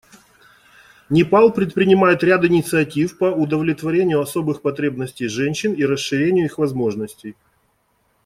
Непал предпринимает ряд инициатив по удовлетворению особых потребностей женщин и расширению их возможностей.